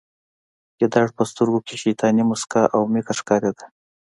د ګیدړ په سترګو کې شیطاني موسکا او مکر ښکاریده